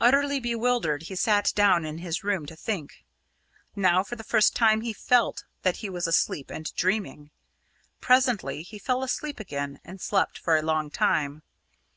Utterly bewildered, he sat down in his room to think. Now for the first time he felt that he was asleep and dreaming. Presently he fell asleep again, and slept for a long time.